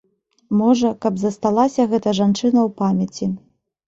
Можа, каб засталася гэта жанчына ў памяці.